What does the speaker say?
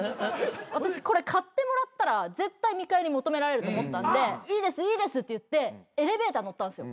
私これ買ってもらったら絶対見返り求められると思ったんでいいですいいですって言ってエレベーター乗ったんですよ